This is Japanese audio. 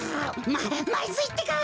ままずいってか！